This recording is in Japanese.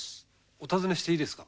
お尋ねしていいですか？